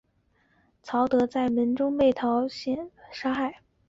曹德在门中被陶谦兵杀害。